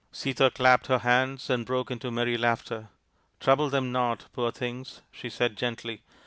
Sita clapped her hands and broke into merry laughter. " Trouble them not, poor things," she said gently.